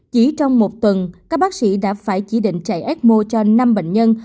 chỉ trong một tuần các bác sĩ đã phải chỉ định chạy ecmo cho năm bệnh nhân